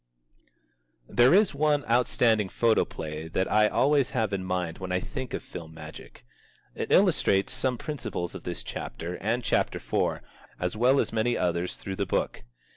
There is one outstanding photoplay that I always have in mind when I think of film magic. It illustrates some principles of this chapter and chapter four, as well as many others through the book.